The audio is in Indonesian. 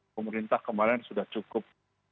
pemerintah kemarin sudah cukup